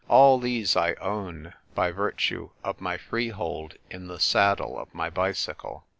All these I own, by virtue of my freehold in the saddle of my bicycle.